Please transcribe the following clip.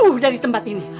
jauh dari tempat ini